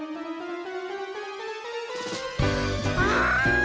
あ！